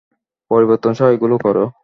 পরিবর্তন সহ এগুলো করো।